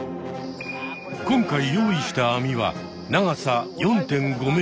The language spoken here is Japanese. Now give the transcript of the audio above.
今回用意した網は長さ４．５ｍ。